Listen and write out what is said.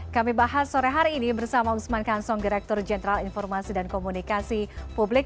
kami bahas sore hari ini bersama usman kansong direktur jenderal informasi dan komunikasi publik